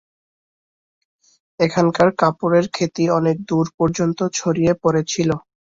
এখানকার কাপড়ের খ্যাতি অনেক দূর পর্যন্ত ছড়িয়ে পড়েছিল।